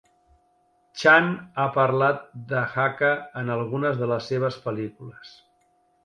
Chan ha parlat de Hakka en algunes de les seves pel·lícules.